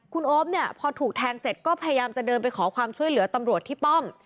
คุณโอ๊ปเนี่ยพอถูกแทงเสร็จก็พยายามจะเดินไปขอความช่วยเหลือตำรวจที่ป้อม